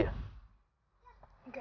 aku nggak mau ketemu dia